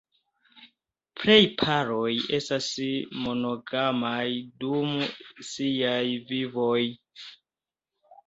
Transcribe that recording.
Plej paroj estas monogamaj dum siaj vivoj.